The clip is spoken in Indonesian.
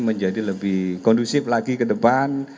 menjadi lebih kondusif lagi ke depan